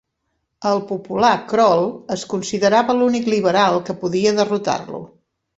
El popular Croll es considerava l'únic liberal que podia derrotar-lo.